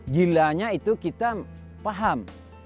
gilanya itu kita paham